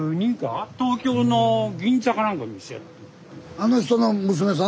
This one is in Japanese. あの人の娘さん？